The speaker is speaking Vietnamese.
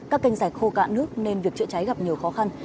các kênh giải khô cạn nước nên việc chữa cháy gặp nhiều khó khăn